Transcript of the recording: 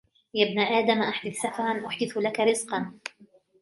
يَا ابْنَ آدَمَ أَحْدِثْ سَفَرًا أُحْدِثُ لَك رِزْقًا